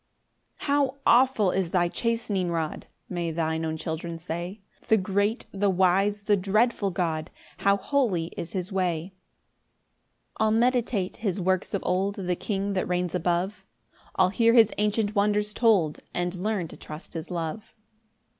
1 "How awful is thy chastening rod!" (May thine own children say) "The great, the wise, the dreadful God! "How holy is his way!" 2 I'll meditate his works of old; The King that reigns above; I'll hear his ancient wonders told, And learn to trust his love.